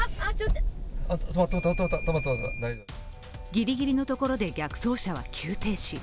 ギリギリのところで逆走車は急停止。